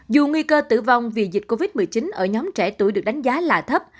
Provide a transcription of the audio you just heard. dù nguy cơ tử vong vì dịch covid một mươi chín ở nhóm trẻ tuổi được đánh giá là thấp